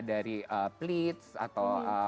dari pleats atau